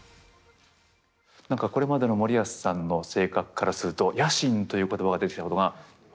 何かこれまでの森保さんの性格からすると野心という言葉が出てきたことが意外だなと思った。